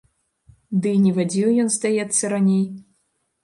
Ды і не вадзіў ён здаецца раней.